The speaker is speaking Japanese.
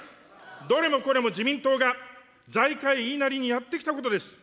どれもこれも自民党が財界言いなりにやってきたことです。